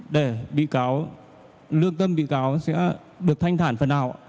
để bị cáo lương tâm bị cáo sẽ được thanh thản phần nào